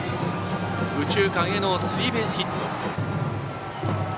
右中間へのスリーベースヒット。